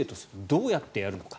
どうやってやるのか。